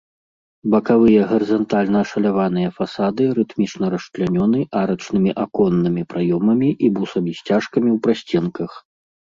Бакавыя гарызантальна ашаляваныя фасады рытмічна расчлянёны арачнымі аконнымі праёмамі і бусамі-сцяжкамі ў прасценках.